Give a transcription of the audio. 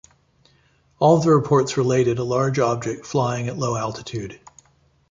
All of the reports related a large object flying at low altitude.